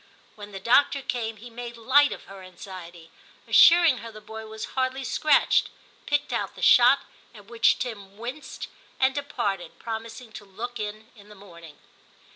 II TIM 25 When the doctor came he made light of her anxiety, assuring her the boy was hardly scratched, picked out the shot, at which Tim winced, and departed, promising to look in in the morning.